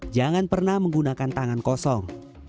jangan pernah menggunakan tangan kosong